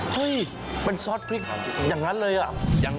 เฮ้ยเป็นซอสพริกอย่างนั้นเลยอ่ะ